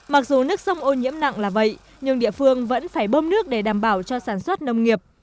mặc dù nước sông ô nhiễm nặng là vậy nhưng địa phương vẫn phải bơm nước để đảm bảo cho sản xuất nông nghiệp